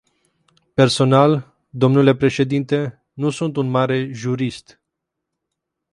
Personal, domnule președinte, nu sunt un mare jurist.